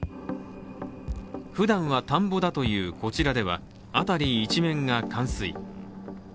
ふだんは田んぼだというこちらでは辺り一面が冠水。